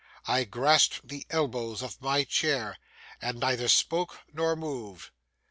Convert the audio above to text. I grasped the elbows of my chair, and neither spoke nor moved.